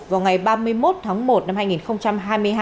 vào ngày ba mươi một tháng một năm hai nghìn hai mươi hai